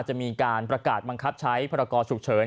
จะมีการประกาศบังคับใช้พรกรฉุกเฉิน